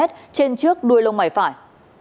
trên trước đuôi lông mẩy phải